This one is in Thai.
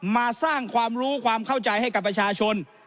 มาสร้างความรู้ความเข้าใจให้กับประชาชน